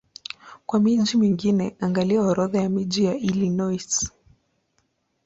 Kwa miji mingine angalia Orodha ya miji ya Illinois.